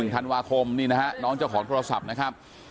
ธันวาคมนี่นะฮะน้องเจ้าของโทรศัพท์นะครับ